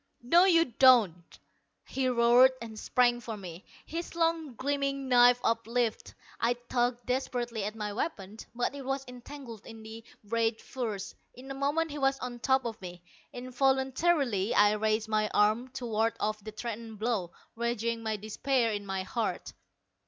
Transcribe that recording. "No, you don't!" he roared, and sprang for me, his long gleaming knife uplifted. I tugged desperately at my weapon, but it was entangled in the ragged furs. In a moment he was on top of me. Involuntarily I raised my arm to ward off the threatened blow, raging despair in my heart.